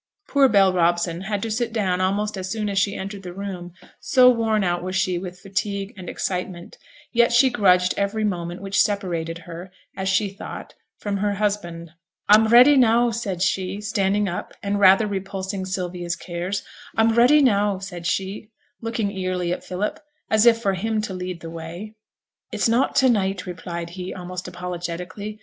Poor Bell Robson had to sit down almost as soon as she entered the room, so worn out was she with fatigue and excitement; yet she grudged every moment which separated her, as she thought, from her husband. 'I'm ready now,' said she, standing up, and rather repulsing Sylvia's cares; 'I'm ready now,' said she, looking eagerly at Philip, as if for him to lead the way. 'It's not to night,' replied he, almost apologetically.